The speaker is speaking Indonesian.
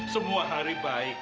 semua hari baik